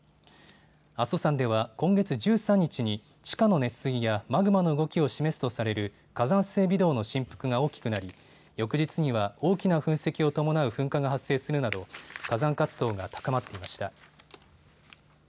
阿蘇山では今月１３日に地下の熱水やマグマの動きを示すとされる火山性微動の振幅が大きくなり翌日には大きな噴石を伴う噴火が発生するなど火山活動が高まっていました。